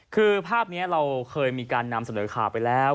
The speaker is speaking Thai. คือภาพนี้เราเคยมีการนำเสนอข่าวไปแล้ว